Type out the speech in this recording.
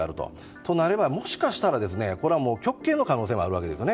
となれば、もしかしたらこれは極刑の可能性もあるわけですね。